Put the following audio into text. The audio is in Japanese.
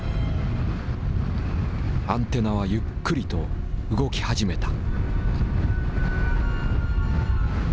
アンテナはゆっくりと動き始めた。